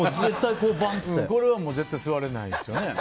これはもう絶対座れないですね。